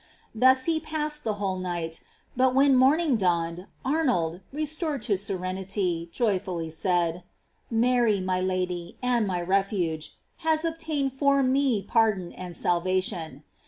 Thus he passed the whole night, but when morning dawned, Arnold, restored to serenity, joyfully said: "Mary, my Lady, and my refuge, has ob tained for me pardon and salvation."